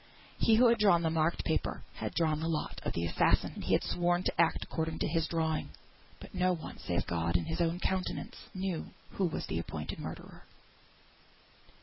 He who had drawn the marked paper had drawn the lot of the assassin! and he had sworn to act according to his drawing! But no one save God and his own conscience knew who was the appointed murderer!